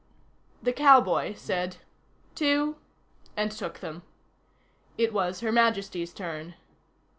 The cowboy said: "Two," and took them. It was Her Majesty's turn.